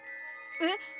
えっ？